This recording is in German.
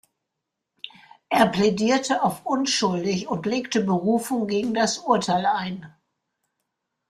Er plädierte auf unschuldig und legte Berufung gegen das Urteil ein.